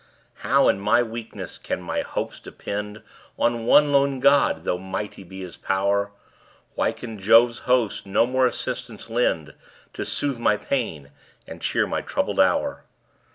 How in my weakness can my hopes depend On one lone God, though mighty be his pow'r? Why can Jove's host no more assistance lend, To soothe my pains, and cheer my troubled hour?